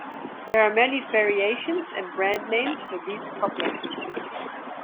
There are many variations and brand names for these couplers.